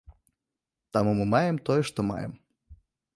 Таму мы маем тое, што маем.